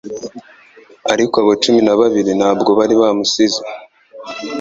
Ariko abo cumi na babiri ntabwo bari bamusize